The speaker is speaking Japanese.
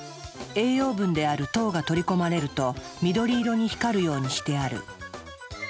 栄養分である糖が取り込まれると緑色に光るようにしてある。